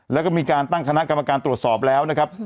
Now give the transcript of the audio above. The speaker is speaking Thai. แล้วก็มีการตั้งคณะกรรมการตรวจสอบแล้วนะครับ